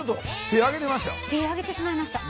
手あげてしまいました。